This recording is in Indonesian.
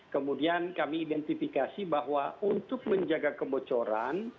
kemudian kami identifikasi bahwa untuk menjaga kebocoran